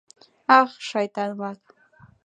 Ах, шайтан-влак!..